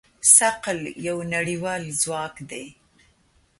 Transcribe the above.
ثقل یو نړیوال ځواک دی.